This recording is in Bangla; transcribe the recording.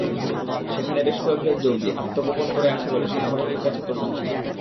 সেখানে বেশ কয়েকজন জঙ্গি আত্মগোপন করে আছে বলে সেনাবাহিনীর কাছে তথ্য ছিল।